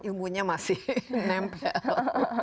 imbunya masih nempel